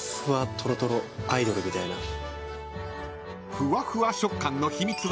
［ふわふわ食感の秘密は］